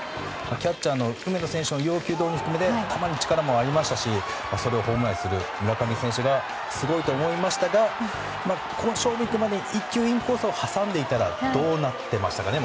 キャッチャーの梅野選手も含めて球に力もありましたし、それをホームランにする村上選手がすごいと思いましたがこの勝負に行くまでに１球、インコースを挟んでいたらどうなってましたかね？